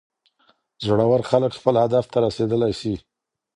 زړور خلګ خپل هدف ته رسیدلی سي.